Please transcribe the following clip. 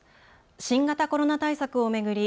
新型コロナ対策を巡り